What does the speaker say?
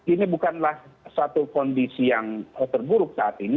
ini bukanlah satu kondisi yang terburuk saat ini